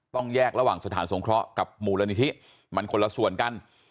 ต้องแยกระหว่างสถานสงเคราะห์กับมูลนิธิมันคนละส่วนกัน